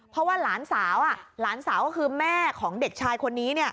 เพราะว่าหลานสาวหลานสาวก็คือแม่ของเด็กชายคนนี้